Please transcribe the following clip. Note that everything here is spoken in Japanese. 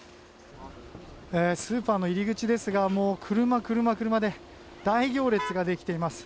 スーパーの入り口ですが車、車、車で大行列ができています。